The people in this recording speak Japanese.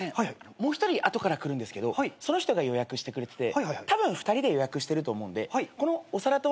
もう１人後から来るんですけどその人が予約してくれてて２人で予約してると思うんでこのお皿とお箸